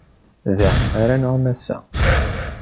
Da ara nɛum ass-a.